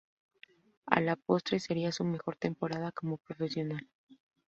A la postre, sería su mejor temporada como profesional.